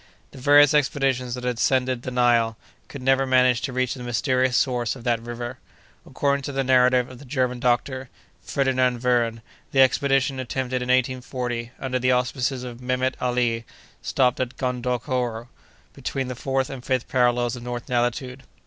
The various expeditions that had ascended the Nile could never manage to reach the mysterious source of that river. According to the narrative of the German doctor, Ferdinand Werne, the expedition attempted in 1840, under the auspices of Mehemet Ali, stopped at Gondokoro, between the fourth and fifth parallels of north latitude.